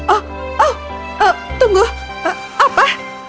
oh oh tunggu apa